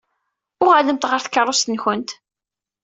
Uɣalemt ɣer tkeṛṛust-nwent!